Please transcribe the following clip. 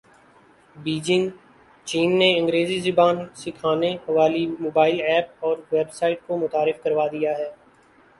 Beijing چین نے انگریزی زبان سکھانے والی موبائل ایپ اور ویب سایٹ کو متعارف کروا دیا ہے